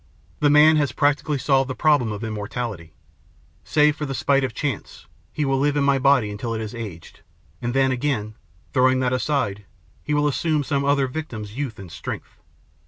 The man has practically solved the problem of immortality. Save for the spite of chance, he will live in my body until it has aged, and then, again, throwing that aside, he will assume some other victim's youth and strength.